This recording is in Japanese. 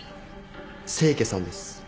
清家さんです。